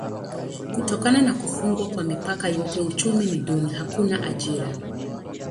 Kutokana na kufungwa kwa mipaka yote uchumi ni duni: hakuna ajira.